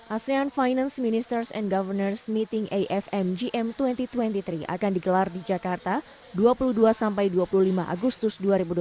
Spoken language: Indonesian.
asean finance ministers and governance meeting afm gm dua ribu dua puluh tiga akan digelar di jakarta dua puluh dua sampai dua puluh lima agustus dua ribu dua puluh